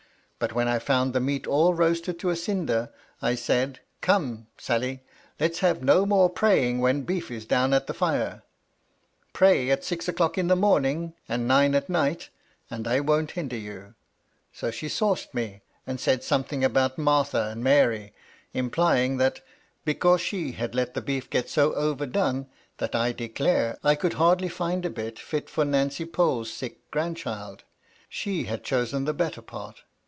But when I found the meat all roasted to a cinder, I said, ' Come, Sally, let's have no more praying when beef is down at the fire. Pray at six o'clock in the morning and nine at night, and I won't hinder you.' So she sauced me, and said something about Martha and Mary, implying that, because she had let the beef get so overdone that I declare I could hardly find a bit fit for 228 MY LADY LUDLOW. Nancy Pole's sick grandchild, she had chosen the better part.